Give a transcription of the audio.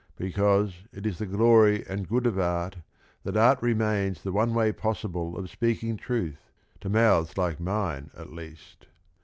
Because, it is the glory and good of Art, Tha,^ Art remains the one w ay possible Of speaking truth , to mouths liKe mine"at least.